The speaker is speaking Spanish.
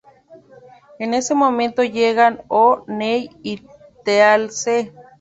En ese momento llegan O'Neill y Teal'c.